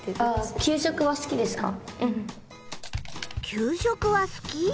給食は好き？